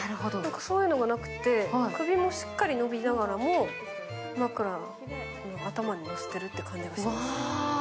そういうのがなくて、首もしっかり伸びながら、枕に頭をのせてるって感じがします。